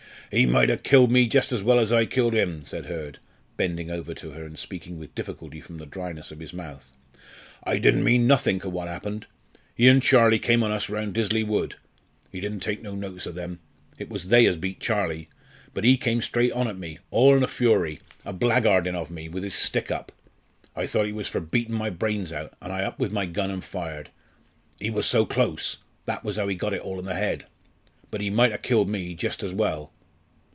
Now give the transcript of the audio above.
"Ee might ha' killed me just as well as I killed 'im," said Hurd, bending over to her and speaking with difficulty from the dryness of his mouth. "I didn't mean nothink o' what happened. He and Charlie came on us round Disley Wood. He didn't take no notice o' them. It was they as beat Charlie. But he came straight on at me all in a fury a blackguardin' ov me, with his stick up. I thought he was for beatin' my brains out, an' I up with my gun and fired. He was so close that was how he got it all in the head. But ee might 'a' killed me just as well."